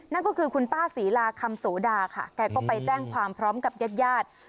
นั่นก็คือคุณป้าศรีลาคำโสดาค่ะแกก็ไปแจ้งความพร้อมกับญาติญาติ